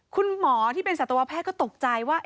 คุณหมอที่เป็นสัตวแพทย์ก็ตกใจว่า